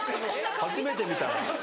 初めて見たな。